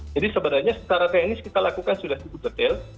jadi sebenarnya secara teknis kita lakukan sudah cukup detail